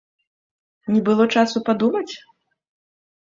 Не было часу падумаць?